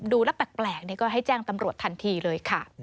ดูแล้วแปลกก็ให้แจ้งตำรวจทันทีเลยค่ะ